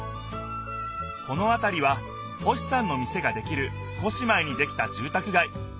このあたりは星さんの店ができる少し前にできたじゅうたくがい。